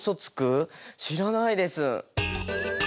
知らないです。